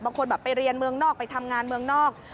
แบบไปเรียนเมืองนอกไปทำงานเมืองนอก